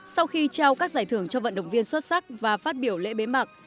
sau khi trao các giải thưởng cho vận động viên xuất sắc và phát biểu lễ bế mạc